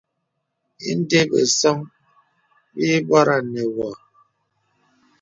Ìndə̀ bəsōŋ bì bɔranə wɔ.